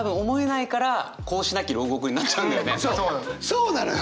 そうなのよ！